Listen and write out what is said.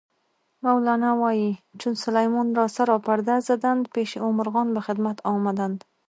مولانا وایي: "چون سلیمان را سرا پرده زدند، پیشِ او مرغان به خدمت آمدند".